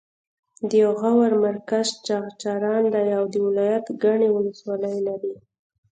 د غور مرکز چغچران دی او دا ولایت ګڼې ولسوالۍ لري